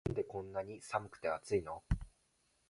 なんでこんなに寒くて熱いの